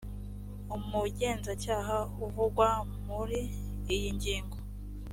umugenzacyaha uvugwa muri iyi ngingo